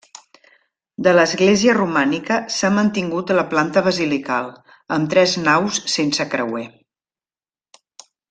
De l'església romànica s'ha mantingut la planta basilical, amb tres naus sense creuer.